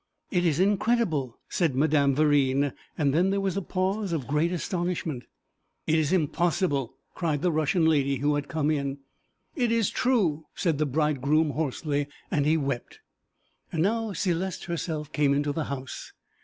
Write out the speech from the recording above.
'It is incredible,' said Madame Verine, and then there was a pause of great astonishment. 'It is impossible!' cried the Russian lady, who had come in. 'It is true,' said the bridegroom hoarsely; and he wept. And now Céleste herself came into the house.